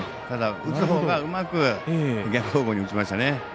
ただ、打つほうがうまく逆方向に打ちました。